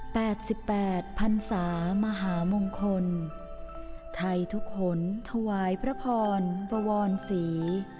แปดสิบแปดพันศามหามงคลไทยทุกหนถวายพระพรบวรศรี